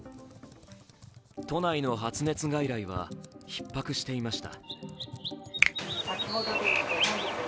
都内の発熱外来はひっ迫していました。